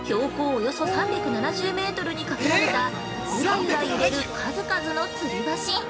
およそ３７０メートルにかけられた、ゆらゆら揺れる数々の吊り橋！